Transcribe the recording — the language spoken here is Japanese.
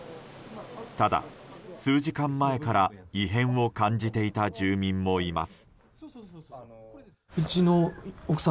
ただ、数時間前から異変を感じていたという住民もいます。